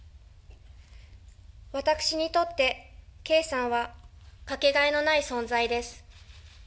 私にとって圭さんは、掛けがえのない存在です。